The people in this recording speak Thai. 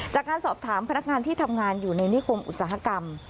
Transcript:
จากการสอบถามพนักงานที่ทำงานอยู่ในนิคมอุตสาหกรรม